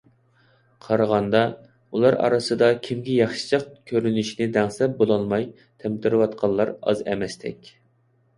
قارىغاندا، ئۇلار ئارىسىدا كىمگە ياخشىچاق كۆرۈنۈشنى دەڭسەپ بولالماي تەمتىرەۋاتقانلار ئاز ئەمەستەك.